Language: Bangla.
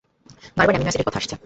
বারবার এ্যামিনো অ্যাসিডের কথা আসছে।